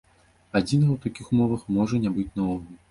Адзінага ў такіх умовах можа не быць наогул.